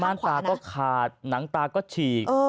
ตาก็ขาดหนังตาก็ฉีก